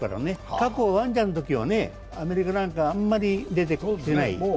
過去、ワンちゃんのときはアメリカなんか、あんまり出てきてない。